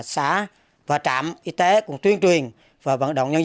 xã và trạm y tế cũng tuyên truyền và vận động nhân dân